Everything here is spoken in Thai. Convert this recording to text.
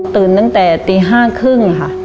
ตั้งแต่ตี๕๓๐ค่ะ